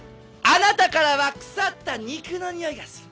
あなたからは腐った肉のにおいがする。